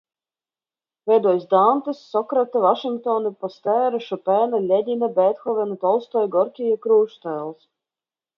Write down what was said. Veidojis Dantes, Sokrata, Vašingtona, Pastēra, Šopēna, Ļeņina, Bēthovena, Tolstoja, Gorkija krūšutēlus.